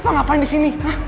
pak ngapain di sini